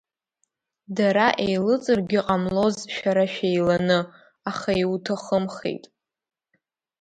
Дара еилыҵыргьы ҟамлоз шәара шәеиланы, аха иуҭахымехеит.